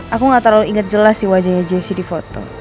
aku gak terlalu ingat jelas sih wajahnya jesse di foto